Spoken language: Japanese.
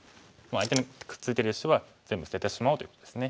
相手にくっついてる石は全部捨ててしまおうということですね。